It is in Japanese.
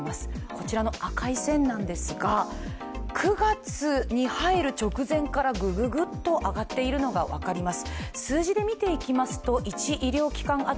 こちらの赤い線なんですが、９月に入る直前からぐぐぐっと上がっているのが分かります。